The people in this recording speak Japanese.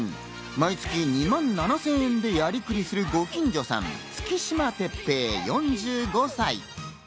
毎月２万７０００円でやりくりするご近所さん、月島鉄平４５歳。